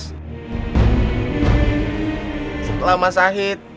setelah mas haid